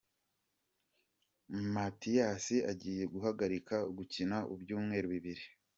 Matiyasi agiye guhagarika gukina ibyumweru bibiri